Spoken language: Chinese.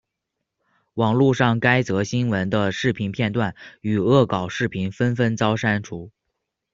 网路上该则新闻的视频片段与恶搞视频纷纷遭删除。